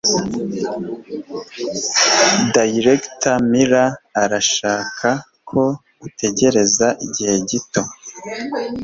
Dr. Miller arashaka ko utegereza igihe gito.